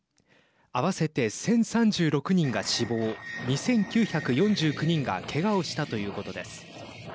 合わせて１０３６人が死亡２９４９人がけがをしたということです。